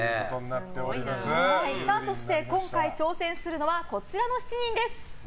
そして今回挑戦するのはこちらの７人です。